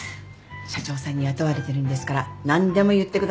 社長さんに雇われてるんですから何でも言ってください。